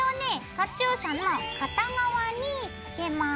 カチューシャの片側につけます。